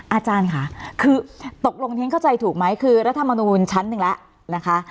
อาจารย์ค่ะคือตกลงฉันเข้าใจถูกไหมคือรัฐมนูลชั้นหนึ่งแล้วนะคะ